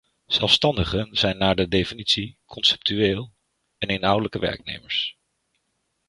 Zelfstandigen zijn naar de definitie, conceptueel en inhoudelijk werknemers.